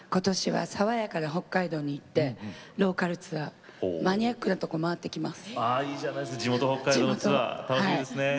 爽やかな北海道に行ってローカルツアー、マニアックなところを回っていきます。